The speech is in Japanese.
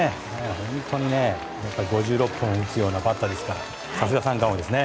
本当に５６本打つようなバッターですからね。